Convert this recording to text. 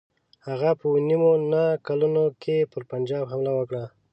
هغه په اووه نیم نه کلونو کې پر پنجاب حمله وکړه.